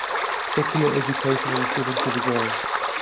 Secular education was given to girls.